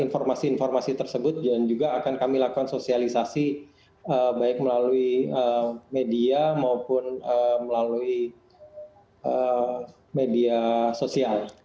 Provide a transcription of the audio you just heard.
informasi informasi tersebut dan juga akan kami lakukan sosialisasi baik melalui media maupun melalui media sosial